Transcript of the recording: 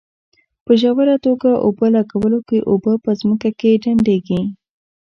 په ژوره توګه اوبه لګولو کې اوبه په ځمکه کې ډنډېږي.